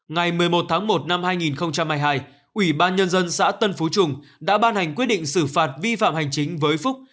ngày một mươi một tháng một năm hai nghìn hai mươi hai ủy ban nhân dân xã tân phú trung đã ban hành quyết định xử phạt vi phạm hành chính với phúc